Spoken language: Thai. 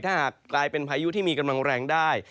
ถ้าหากกลายเป็นพายุที่มีกำลังแรงได้